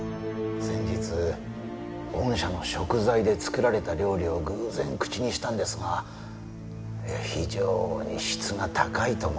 先日御社の食材で作られた料理を偶然口にしたんですが非常に質が高いと思いました。